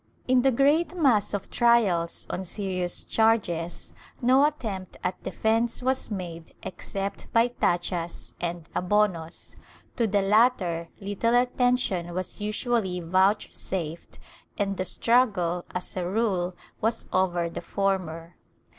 In the great mass of trials on serious charges, no attempt at defence was made except by tachas and abonos. To the latter Uttle attention was usually vouchsafed, and the struggle, as a rule, was over the former.